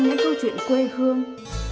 những câu chuyện quê hương